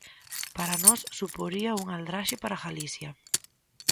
Para nós, suporía unha aldraxe para Galicia.